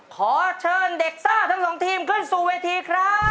ขอเชิญเด็กซ่าทั้งสองทีมขึ้นสู่เวทีครับ